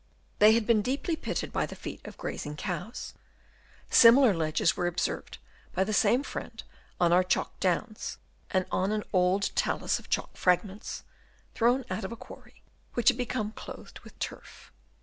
They had been deeply pitted by the feet of grazing cows. Similar ledges were observed by the same friend on our Chalk downs, and on an old talus of chalk fragments (thrown out of a quarry) which had become clothed with turf.